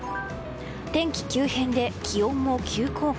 天気急変で気温も急降下。